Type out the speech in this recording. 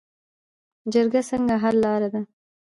جرګه څنګه حل لاره ده؟